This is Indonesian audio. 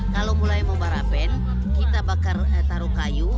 kalau mulai membara pen kita taruh kayu